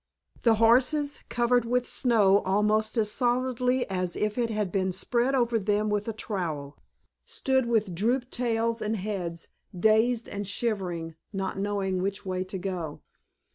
The horses, covered with snow almost as solidly as if it had been spread over them with a trowel, stood with drooped tails and heads, dazed and shivering, not knowing which way to go.